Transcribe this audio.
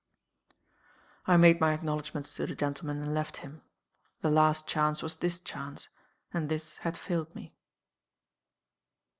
"I made my acknowledgments to the gentleman and left him. The last chance was this chance and this had failed me."